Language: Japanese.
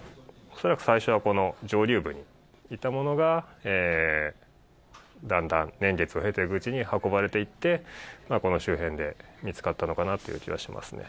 恐らく最初はこの上流部にいたものが、だんだん年月を経ていくうちに運ばれていって、この周辺で見つかったのかなという気がしますね。